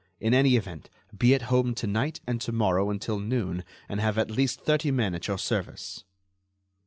In any event, be at home to night and to morrow until noon and have at least thirty men at your service."